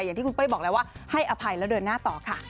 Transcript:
อย่างที่คุณเป้ยบอกแล้วว่าให้อภัยแล้วเดินหน้าต่อค่ะ